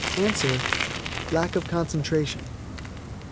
Answer Lack of concentration.